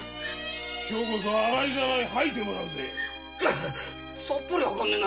今日こそは洗いざらい吐いてもらうぜさっぱり分からねえな。